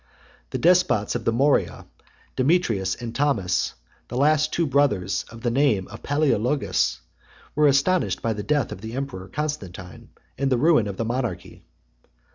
The despots of the Morea, Demetrius and Thomas, 86 the two surviving brothers of the name of Palæologus, were astonished by the death of the emperor Constantine, and the ruin of the monarchy.